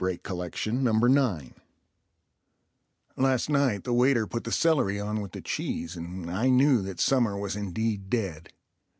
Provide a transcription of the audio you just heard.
A Word for Autumn Last night the waiter put the celery on with the cheese, and I knew that summer was indeed dead.